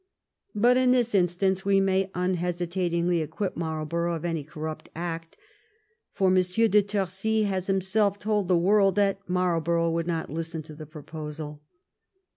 But in this instance we may un hesitatingly acquit Marlborough of any corrupt act, 359 THE REIGN OF QUEEN ANNE for M. de Torcy has himself told the world that Marl borough would not listen to the proposal.